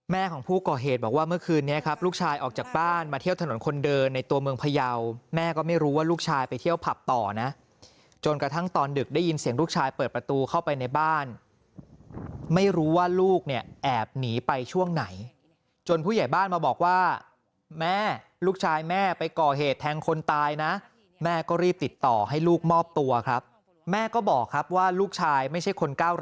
ของผู้ก่อเหตุบอกว่าเมื่อคืนนี้ครับลูกชายออกจากบ้านมาเที่ยวถนนคนเดินในตัวเมืองพยาวแม่ก็ไม่รู้ว่าลูกชายไปเที่ยวผับต่อนะจนกระทั่งตอนดึกได้ยินเสียงลูกชายเปิดประตูเข้าไปในบ้านไม่รู้ว่าลูกเนี่ยแอบหนีไปช่วงไหนจนผู้ใหญ่บ้านมาบอกว่าแม่ลูกชายแม่ไปก่อเหตุแทงคนตายนะแม่ก็รีบติดต่อให้ลูกมอบตัวครับแม่ก็บอกครับว่าลูกชายไม่ใช่คนก้าวร